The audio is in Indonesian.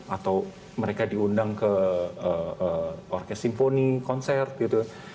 atau mereka diundang ke orkes simfoni konser gitu